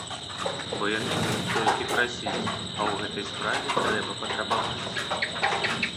Бо яны могуць толькі прасіць, а ў гэтай справе трэба патрабаваць.